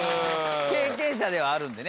経験者ではあるんでね。